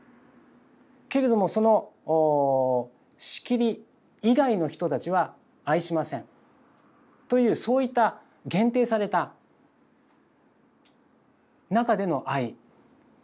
けれどもその仕切り以外の人たちは愛しませんというそういった限定された中での愛理解だったんですよね。